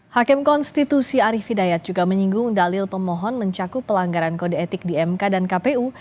hakim konstitusi arief hidayat juga menyinggung dalil pemohon mencakup pelanggaran kode etik di mk dan kpu